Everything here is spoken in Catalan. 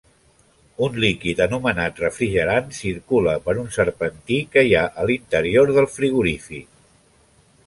Un líquid anomenat refrigerant circula per un serpentí que hi ha a l'interior del frigorífic.